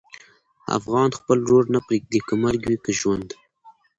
افغان خپل ورور نه پرېږدي، که مرګ وي که ژوند.